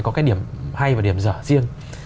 có cái điểm hay và điểm dở riêng